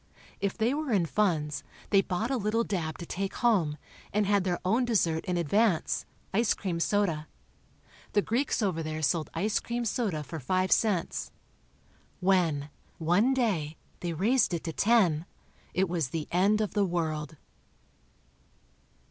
If they were in funds, they bought a little dab to take home, and had their own dessert in advance—ice cream soda. The Greeks over there sold ice cream soda for five cents. When, one day, they raised it to ten, it was the end of the world.